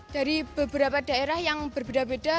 dari beberapa daerah yang berbeda beda